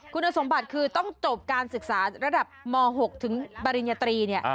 คุณสมบัติคือต้องจบการศึกษาระดับม๖ถึงปริญญาตรี